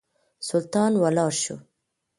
سلطان ولاړ شو.